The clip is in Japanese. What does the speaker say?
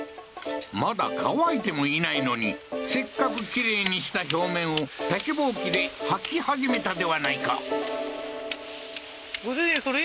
まだ乾いてもいないのにせっかくきれいにした表面を竹ぼうきではき始めたではないかご主人それ